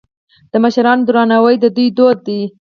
د مشرانو درناوی د دوی دود دی.